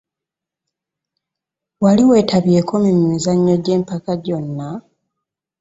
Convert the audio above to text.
Wali wetabyeko ku mizannyo gy'empaka gyonna.?